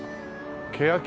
ケヤキ？